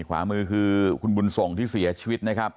ขวามือคือคุณบุญส่งที่เสียชีวิตนะครับ